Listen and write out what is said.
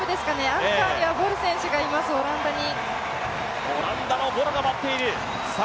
アンカーにはボル選手がいます、オランダに。